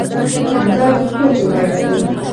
همدرد ټوکې پيل کړې.